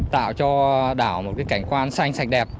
tạo cho đảo một cái cảnh quan xanh sạch đẹp